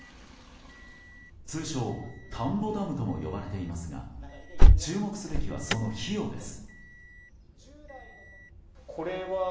通称、田んぼダムとも呼ばれていますが注目すべきはその費用です。